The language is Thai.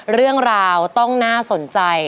เรื่องราวต้องน่าสนใจ